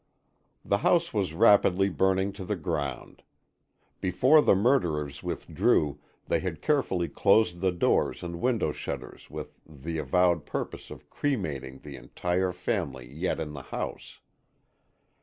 The house was rapidly burning to the ground. Before the murderers withdrew, they had carefully closed the doors and window shutters with the avowed purpose of cremating the entire family yet in the house.